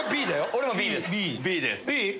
俺もＢです。